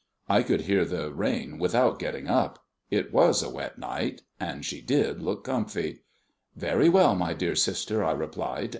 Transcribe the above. I could hear the rain without getting up. It was a wet night; and she did look comfy. "Very well, my dear sister," I replied.